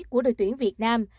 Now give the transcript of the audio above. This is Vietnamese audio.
của đội tuyển việt nam